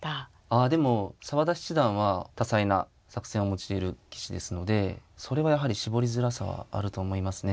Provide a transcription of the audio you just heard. あでも澤田七段は多彩な作戦を用いる棋士ですのでそれはやはり絞りづらさはあると思いますね。